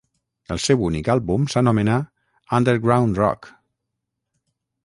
El seu únic àlbum s'anomena "Underground-Rock".